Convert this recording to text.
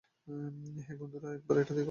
হেই, বন্ধুরা, একবার এটা দেখ।